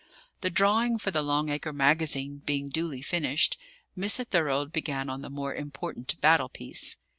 The drawing for the Long Acre Magazine being duly finished, Mr. Thorold began on the more important battle piece.